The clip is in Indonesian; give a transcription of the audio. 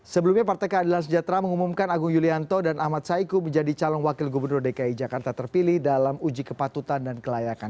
sebelumnya partai keadilan sejahtera mengumumkan agung yulianto dan ahmad saiku menjadi calon wakil gubernur dki jakarta terpilih dalam uji kepatutan dan kelayakan